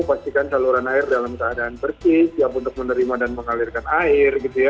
pastikan saluran air dalam keadaan bersih siap untuk menerima dan mengalirkan air gitu ya